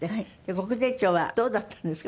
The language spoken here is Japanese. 国税庁はどうだったんですか？